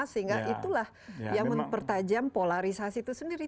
sehingga itulah yang mempertajam polarisasi itu sendiri